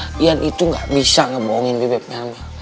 ma ian itu gak bisa ngebohongin bebek melmel